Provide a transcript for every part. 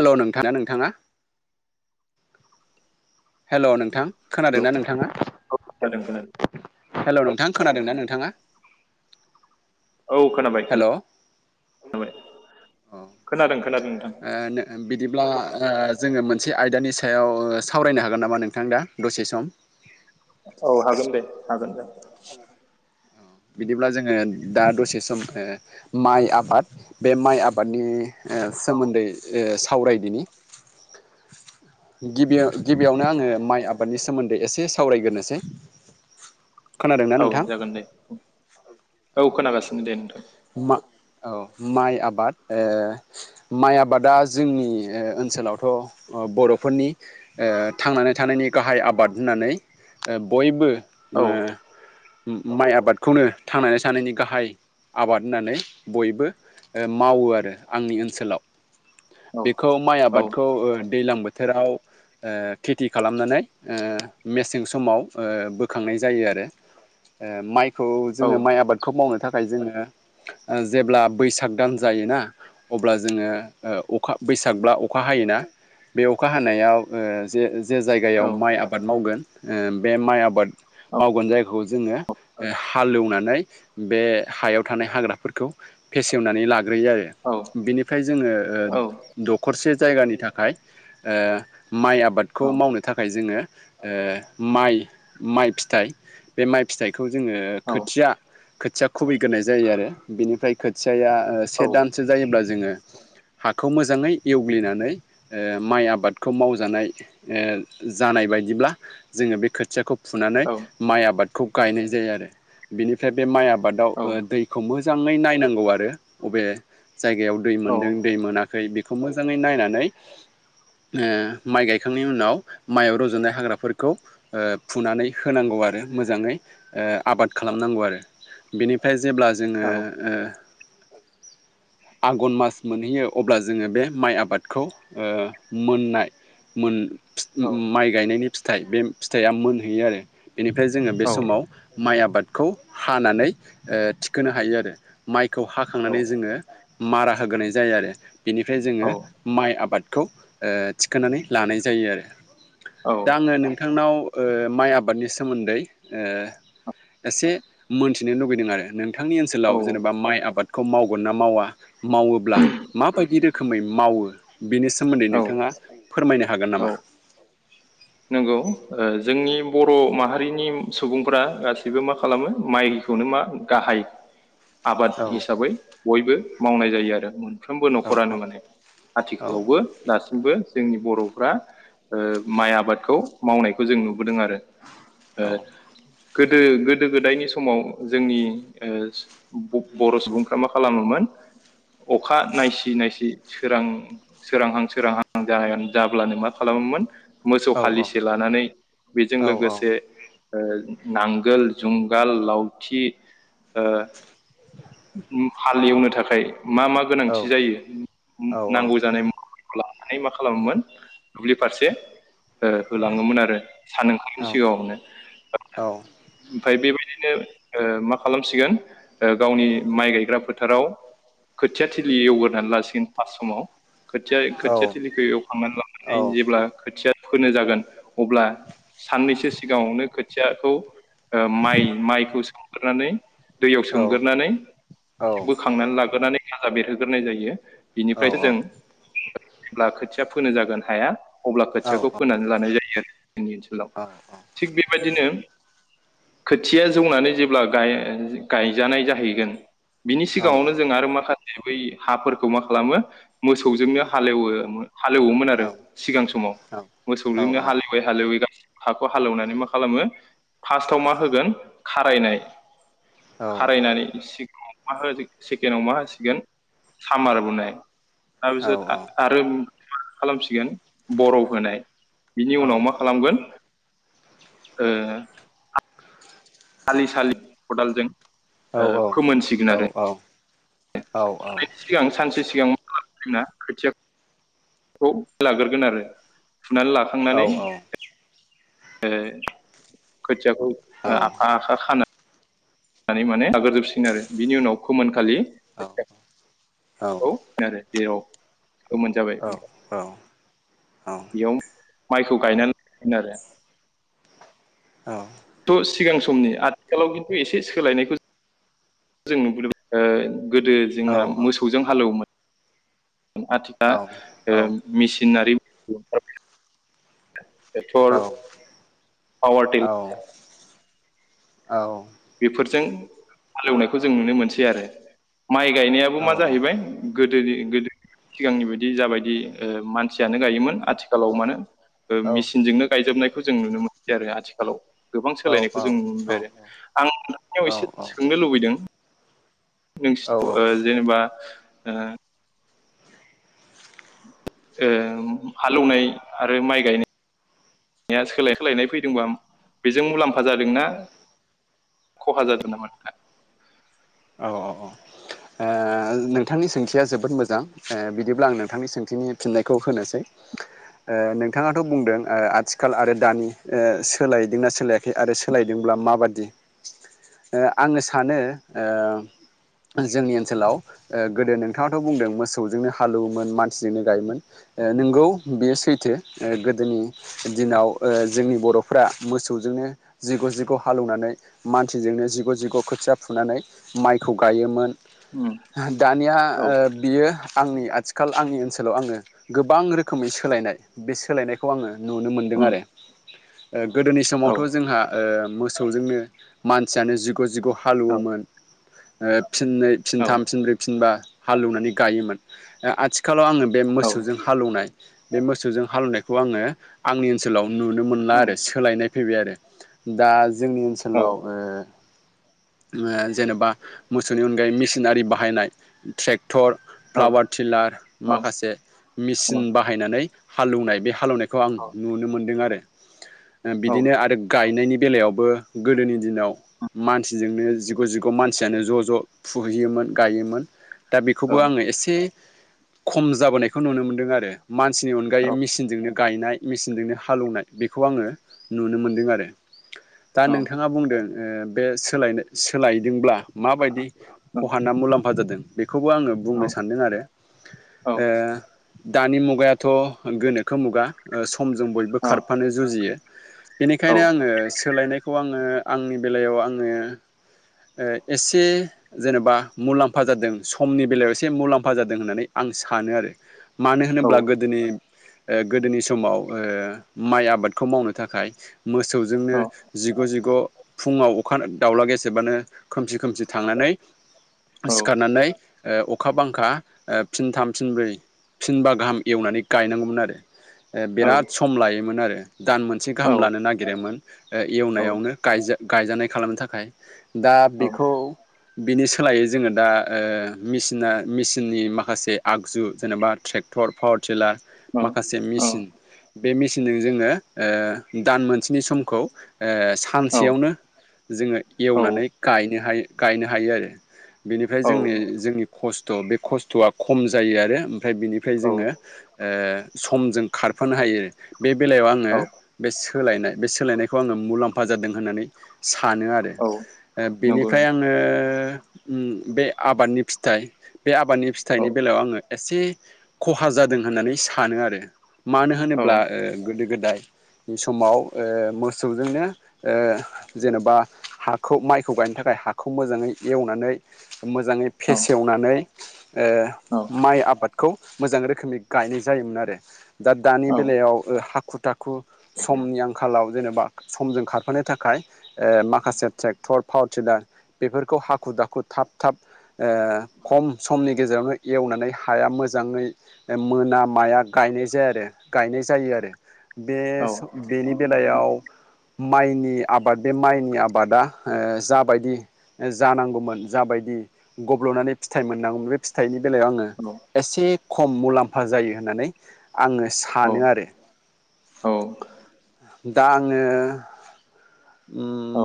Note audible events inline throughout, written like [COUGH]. हेल' नोंथाङा नोंथाङा हेल' नोंथां खोनादों हेलौ ना नोंथाङा? खोनादों खोनादों हेलौ नोंथां खोनादोंना नोंथाङा? औ खोनाबाय हेल' औ खोनाबाय। खोनादों खोनादों नोंथां बिदिब्ला जोङो मोनसे आयदानि सायाव सावरायनो हागोन नामा नोंथां दा दसे सम? औ हागोन दे हागोन दे। बिदिब्ला जोङो दा दसे सम ओ माइ आबाद बे माइ आबादनि ओ सोमोन्दै ओ सावरायनि। गिबियाव गिबियावनो आङो माइ आबादनि सोमोन्दै एसे सावरायग्रोनोसै। [INAUDIBLE] औ नोंथां जागोन दे औ खोनागासिनो दे नोंथां। मा औ माइ आबाद ओ माइ आबादा जोंनि ओनसोलावथ' बर'फोरनि ओ थांनानै थानायनि गाहाय आबाद होननानै ओ बयबो ओ औ माइ आबादखौनो थांनानै थानायनि गाहाय आबाद होननानै बयबो मावो आरो आंनि ओनसोलाव। औ बेखौ माइ औ आबादखौ दैलां बोथोर बोथोराव ओ खेथि खालामनानै ओ मेसें समाव ओ बोखांनाय जायो आरो। आरो माइखौ औ जोङो माइ आबादखौ मावनो थाखाय जोङो ओ जेब्ला बैसाग दान जायोना? अब्ला ओ जोङो अखा ओ बैसागब्ला अखा हायोना? बे अखा हानायाव ओ जे जे जायगायाव औ माइ आबाद मावगोन ओ बे माइ आबाद मावगोन जायखौ जोङो ओ हालेवनानै बे हायाव थानाय हाग्राफोरखौ फेसेवनानै लाग ग्रोयो आरो औ बिनिफ्राय जोङो औ ओ दखरसे जायगानि थाखाय ओ माइ आबादखौ औ मावनो थाखाय जोङो ओ माइ माइ फिथाइ बे माइ फिथाइखौ खौ जोङो औ खोथिया खोथिया खुबैग्रोनाय जायो। जायो आरो बेनिफ्राय खोथियाया से दानसो जायोब्ला जोङो हाखौ मोजाङै एवग्लिनानै ओ माइ आबादखौ मावजानाय ओ जानाय बायदिब्ला जोङो बे खोथियाखौ फुनानै औ माइ आबादखौ गायनाय जायो आरो बेनिफ्राय बे माइ आबादाव ओ दैखौ मोजाङै नायनांगौ आरो बबे जायगायाव दै मोनदों दै मोनाखै बेखौ। खौ मोजाङै नायनानै ओ माइ गायखांनायनि उनाव माइआव रज'नाय हाग्राफोरखौ ओ फुनानै होनांगौ। आरो ओ मोजाङै आबाद ओ खालामनांगौ आरो बेनिफ्राय जेब्ला जोङो ओ औ आघन मास मोनहैयो अब्ला जोङो बे माइ आबादखौ ओ मोननाय मोन माइ गायनायनि फिथाइ बे फिथाइआ मोनहैयो आरो बेनिफ्राय जोङो बे समाव माइ आबादखौ हानानै थिखोनो हायो आरो माइ खौ हाखांनानै जोङो मारा होग्रोनाय जायो आरो बेनिफ्राय जोङो माइ आबाद खौ थिखांनानै लानाय जायो आरो दा आङो नोंथांनाव ओ माइ आबादनि सोमोन्दै एसे मोनथिनो लुगैदों आरो नों थांनि ओनसोलाव जेनेबा माइ आबादखौ मावगोन ना मावा मावोब्ला माबायदि रोखोमै मावो बेनि सोमोन्दै नोंथाङा फोरमायनो हागोन नामा नंगौ जोंनि बर' माहारिनि सुबुंफोरा गासैबो मा खालामो माइ खौनो मा गाहाय [INAUDIBLE] आबाद हिसाबै बयबो मावनाय जायो आरो मोनफ्रोमबो औ न'खरानो माने औ आथिखालावबो दासिमबो जोंनि बर'फ्रा ओ माइ आबादखौ मावनायखौ जों नुबोदों आरो औ ओ गोदो गोदो गोदायनि समाव जोंनि ओ बर' सुबुंफ्रा मा खालामोमोन अखा नायसि नायसि सोरां सोरांहां सोरांहां जा जाब्लानो मा खालामो मोन मोसौ औ हालिसे लानानै बेजों लोगोसे ओ नांगोल जुंगाल लावथि ओ हाल एवनो थाखाय मा मा औ गोनांथि जायो औ नांगौ जानाय म वा लानानै मा खालामोमोन दुब्लि फारसे ओ होलाङोमोन आरो सान ओंखारैनि औ सिगाङावनो ओमफ्राय बेबायदि बिनो ओ मा खालामसिगोन गावनि माइ गायग्रा फोथाराव खोथिया थिलि एवगोरनानै लासिगोन फास समाव खोथिया औ खोथिया थिलिखौ एवखांनानै लानानै जेब्ला खोथिया फोनो जागोन अब्ला साननैसो सिगाङावनो खोथियाखौ माइ माइखौ सोमग्रोनानै दैयाव सोमगोरनानै बोखांनानै लाग्रोनानै गाजा बेरहोग्रोनाय जायो बिनिफ्रायसो जों होमब्ला खोथिया फोनो जागोन हाया अब्ला खोथियाखौ फोनानै लानाय जायो आरो जोंनि ओनसोलाव थिग बेबायदिनो खोथिया जौनानै जेब्ला गायजानाय जाहैगोन बिनि सिगाङावनो जों आरो माखासे बै हाफोरखौ मा खालामो मोसौजोंनो हालेवो हालेवोमोन आरो सिगां समाव मोसौजोंनो हालेवै हालेवै ग हाखौ हालेवनानै मा खालामो फार्स्टआव मा होगोन खारायनाय खारायनानै सि मा सेकेणडआव मा होसिगोन सामार बनाय दा बिसोर आरो मा खालामसिगोन बरफ होनाय बिनि उनाव मा खालामगोन ओ सालि सालि खदालजों फोमोनसिगोन औ आरो औ औ औ सिगां सानसे सिगां ना खोथियाखौ लाग्रोगोन आरो फुनानै लाखांनानै औ ओ खोथियाखौ आखा आखा खानो माने लागोरजोबसिगोन आरो बिनि उनाव फोमोनखालि औ औ औ जेराव गोमोन जाबाय औ बेयाव माइखौ गायनानै [UNINTELLIGIBLE] आरो औ थ' सिगां समनि आथिखालाव खिन्थु एसे सोलायनायखौ जों नुबोदों ओ गोदो जोंना मोसौजों हालौवोमोन आथिखाल मेसिनारि ओंखार टेक्टर पावार टिल औ बेफोरजों हालेवनायखौ जों नुनो मोनसै आरो माइ गायनायाबो मा जाहैबाय गो दो गोदोनि सिगांनि बायदि जाबायदि मानसियानो गायोमोन आथिखालाव मानो मेसिनजोंनो गायजोबनायखौ जों नुनो मोनबाय आरो आथिखालाव गोबां सोलायनायखौ जों नुनो मोनबाय आरो आं नोंथांनियाव एसे सोंनो लुबैदों औ नोंसिनाव जेनेबा ओ ओ हालेवनाय आरो माइ गायनाय या सोलाय सोलायनाय फैदोंबा बेजों मुलाम्फा जादोंना खहा जादों नामा नोंथां औ औ औ आ नोंथांनि सोंथिया जोबोद मोजां बिदिब्ला आं नोंथांनि सोंथिनि फिननायखौ होनोसै [INAUDIBLE] ओ नोंथाङाथ' बुंदों आथिखाल आरो दानि सोलायदोंना सोलायाखै आरो सोलायदों बा माबादि आङो सानो जोंनि ओनसोलाव गोदो नोंथाङाथ' बुंदों मोसौजोंनो हालौवोमोन मानसिजोंनो गायोमोन नोंगौ बेयो सैथो गोदोनि दिनाव जोंनि बर'फोरा मोसौ जों नो जिग' जिग' हालेवनानै मानसिजोंनो जिग जिग खोथिया फु फुनानै माइखौ गायोमोन नोंथां दानिया औ बियो आंनि आथिखाल आंनि ओनसोलाव आङो गोबां रोखोमै सोलायनाय बे सोलायनायखौ आङो नुनो मोनदों उम आरो गोदोनि औ समावथ' जोंहा मोसौजोंनो मानसियानो जिग' जिग' औ हालौवोमोन फिननै औ फिनथाम फिनब्रै फिनबा हालेवनानै गायोमोन आथिखालाव आङो बे औ मोसौजों हालैवनाय बे मोसौजों हालेवनायखौ आङो आंनि ओनसोलाव नुनो मोनला आरो सोलायनाय फैबाय आरो दा जोंनि औ ओनसोलाव ओ जेनेबा मोसौनि अनगायै मेसिनारि बाहायनाय ट्रेक टर औ फ्लावार टिलार औ माखासे मेचिन बाहायनानै हालेवनाय बे हालेवनायखौ आं औ नुनो मोन्दों आरो बिदिनो आरो गायनायनि बेलायावबो गोदोनि दिनाव मान सिजोंनो जिग' जिग' मानसियानो ज' ज' फुहैयोमोन गायोमोन दा बेखौबो आङो एसे खम जाबोनायखौ नुनो मोनदों आरो मानसिनि अनगायै मेसिनजोंनो गायनाय मेचिनजोंनो हालौवनाय बेखौ आङो नुनो मोनदों आरो दा नोंथाङा बुंदों बे सोलायनो सोलायदोंब्ला माबायदि खहाना मुलाम्फा जादों बेखौबो आङो बुंनो सान्दों आरो ओ दानि मुगायाथ' गोनोखो मुगा समजों बयबो खारफानो जुजियो बेनिखायनो आङो सोलायनायखौ आङो आंनि बेलायाव आङो ओ एसे जेनेबा मुलाम्फा जादों समनि बेलायाव एसे मुलाम्फा जादों होननानै आं सानो आरो मानो होनोब्ला गोदोनि गोदोनि समाव ओ माइ आबादखौ मावनो थाखाय मोसौजोंनो जिग' जिग' फुङाव अखा दाउला गेसेबानो खोमसि खोमसि थांनानै औ सिखारनानै अ अखा बांखा फिनथाम फिनब्रै फिनबा गाहाम एवनानै गायनांगौमोन आरो। बिराद सम लायोमोन आरो दान मोनसे औ गाहाम लानो नागिरोमोन। ओ एवनायावनो गायजानाय खालामनो थाखाय दा बेखौ बिनि सोलायै जोङो दा मेसिना मेसिननि माखासे आगजु जेनेबा ट्रेक टर पावार टिलार माखासे मेसिन बे मेसिन [UNINTELLIGIBLE] जोङो दान मोनसेनि समखौ ओ सानसेयावनो। एवनानैनो गायनो गायनो हायो आरो बेनिफ्राय जोंनि जोंनि खस्थ' थ' बे खस्थ'आ खम जायो आरो ओमफ्राय बिनिफ्राय जोङो ओ। समजों खारफानो हायो बे बेलायाव आङो बे सोलायनाय बे सोलायनायखौ आङो मुलाम्फा जादों होननानै। सानो आरो नंगौ बेनिफ्राय नंगौ आङो बे आबादनि फिथाइ बे आबादनि औ औ फिथाइनि बेलायाव आङो एसे खहा जादों होननानै सानो आरो मानो औ होनोब्ला औ गोदो गोदा यनि समाव मोसौजोंनो जेनेबा हाखौ माइखौ गायनो थाखाय हाखौ मोजाङै एवनानै मोजाङै फेसेवनानै ओ माइ आबाद। खौ मोजां रोखोमै गायनाय जायोमोन आरो दा दानि औ बेलायाव हाखु समनि आंखालाव जेनेबा समजों खारफानो थाखाय। ओ माखासे ट्रेक्टर पावार टिलार बेफोरखौ हाखु दाखु, थाब थाब ओ खम समनि गेजेरावनो एवनानै हाया मोजाङै मोना माया गायनाय जाया आरो गायनाय जायो आरो। बे बेनि बेलायाव माइनि आबाद बे माइनि आबादा जाबायदि जानांगौमोन जाबायदि गब्ल नानै फथाइ मोननांगौ बे फिथाइनि बेलायाव आङो एसे खम मुलाम्फा जायो होननानै आङो सानो आरो औ औ दा आङो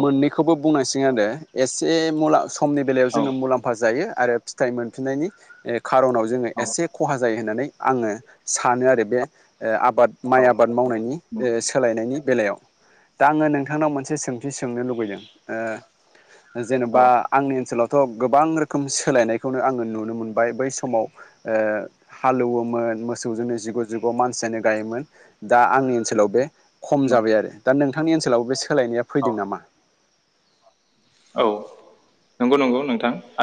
मोननैखौबो बुंनोसै आरो एसे मु समनि बेलायाव जोङो मुलाम्फा जायो आरो फिथाइ मोनफिननायनि खार'नाव जोङो एसे खहा जायो होननानै आङो सानो आरो बे ओ आबाद माइ आबाद मावनायनि नि बेलायाव दा आङो नोंथांनाव मोनसे सोंथि सोंनो लुबैदों ओ। जेनेबा आंनि ओनसोलाव थ' गोबां रोखोम सोलायनायखौनो आङो नुनो मोनबाय बै समाव हालौ एवोमोन। मोसौजोंनो जिग जिग' मानसियानो गायोमोन दा आंनि ओनसोलाव बे खम जाबाय आरो दा नोंथांनि ओनसोलाव बे सोलायनाया फैदों नामा? औ नंगौ नंगौ नोंथां आ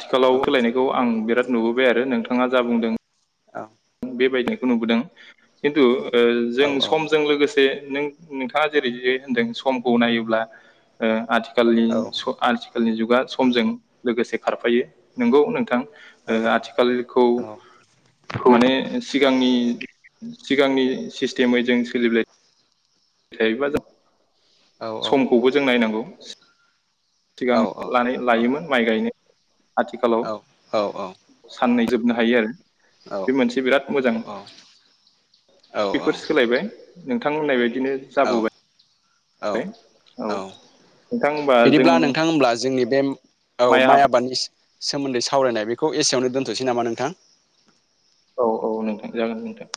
आथिखालाव औ होलायनायखौ आं बिराद नुबोबाय आरो नोंथाङा जा बुंदों। औ। बेबायदिखौ नुबोदों खिन्थु जों समजों लोगोसे नों नोंथाङा जेरै ज होनदों समखौ नायोब्ला आथिखाल खालनि आथिखालनि जुगा समजों लोगोसे खारफायो नंगौ नोंथां। ओ आथिखालखौ माने सिगांनि सिगांनि सिस्टेमै जों सोलिबा थायोबा जों समखौबो जों नायनांगौ सिगां औ ल लायोमोन माइ गायनो आथिखालाव साननै जोबनो हायो आरो। औ बे मोनसे बिराद मोजां औ बेफोर सोलायबाय नोंथांमोननाय बायदिनो जाबोबाय। औ औ-औ नोंथां होमबा जों बिदिब्ला नोंथां होनब्ला जोंनि बे औ माइ आबादनि सोमोन्दै सावरायनाय बेखौ एसेयावनो दोनथ'नोसै नामा नोंथां। औ-औ नोंथां जागोन नोंथां